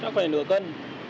chắc phải nửa cân